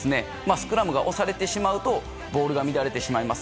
スクラムが押されてしまうとボールが乱れてしまいます。